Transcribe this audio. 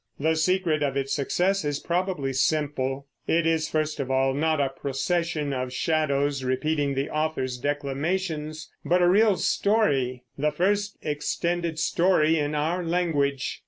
The secret of its success is probably simple. It is, first of all, not a procession of shadows repeating the author's declamations, but a real story, the first extended story in our language.